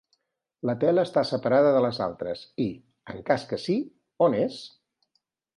La tela està separada de les altres i, en cas que sí, on és?